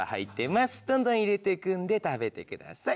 どんどん入れていくんで食べてください。